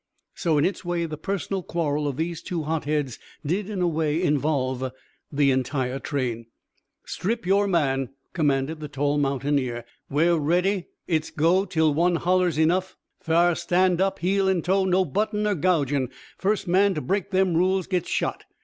So in its way the personal quarrel of these two hotheads did in a way involve the entire train. "Strip yore man," commanded the tall mountaineer. "We're ready. It's go till one hollers enough; fa'r stand up, heel an' toe, no buttin' er gougin'. Fust man ter break them rules gits shot.